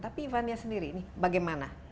tapi ivania sendiri ini bagaimana